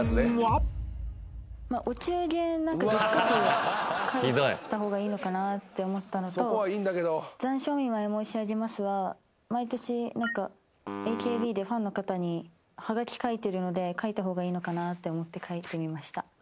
お中元でっかく書いた方がいいのかなって思ったのと「残暑お見舞い申し上げます」は毎年ＡＫＢでファンの方にはがき書いてるので書いた方がいいのかなって思って書いてみました。